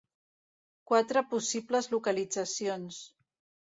Quatre possibles localitzacions: